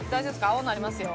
青なりますよ。